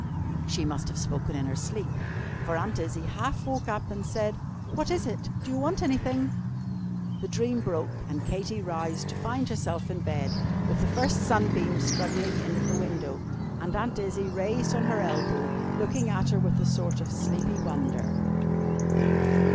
She must have spoken in her sleep, for Aunt Izzie half woke up, and said: "What is it? Do you want anything?" The dream broke, and Katy roused, to find herself in bed, with the first sunbeams struggling in at the window, and Aunt Izzie raised on her elbow, looking at her with a sort of sleepy wonder.